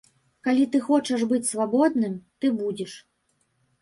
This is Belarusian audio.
Калі ты хочаш быць свабодным, ты будзеш.